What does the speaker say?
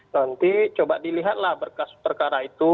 jadi coba dilihatlah berkasus perkara itu